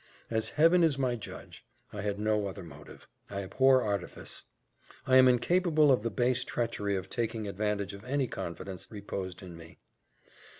As Heaven is my judge, I had no other motive. I abhor artifice. I am incapable of the base treachery of taking advantage of any confidence reposed in me."